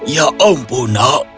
ya ampun nak